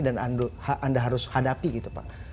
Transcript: dan anda harus hadapi gitu pak